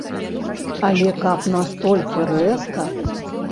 Але каб настолькі рэзка?